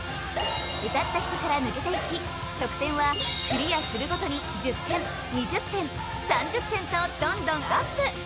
歌った人から抜けていき得点はクリアするごとに１０点２０点３０点とどんどんアップ